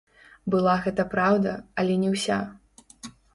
Была гэта праўда, але не ўся.